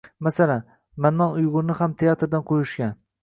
Masalan, Mannon Uygʻurni ham teatrdan quvishgan.